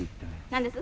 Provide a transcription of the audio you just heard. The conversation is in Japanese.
何です？